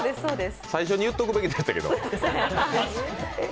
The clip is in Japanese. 最初に言っとくべきでしたけど。